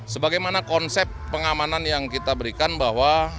sebagai mana konsep pengamanan yang kita berikan bahwa